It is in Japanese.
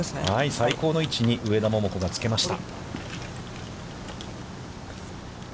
最高の位置に上田桃子がつけました。